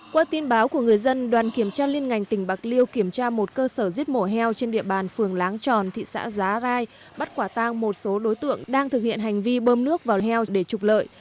qua tin báo của người dân đoàn kiểm tra liên ngành tỉnh bạc liêu kiểm tra một cơ sở giết mổ heo trên địa bàn phường láng tròn thị xã giá rai bắt quả tang một số đối tượng đang thực hiện hành vi bơm nước vào heo để trục lợi